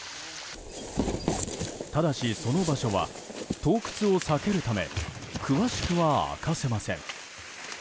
ただし、その場所は盗掘を避けるため詳しくは明かせません。